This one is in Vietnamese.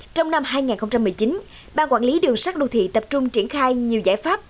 trong năm hai nghìn một mươi chín ban quản lý đường sát đô thị tập trung triển khai nhiều giải pháp